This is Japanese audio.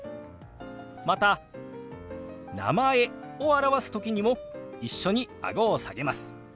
また「名前」を表す時にも一緒にあごを下げます。